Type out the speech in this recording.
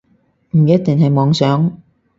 唔一定係妄想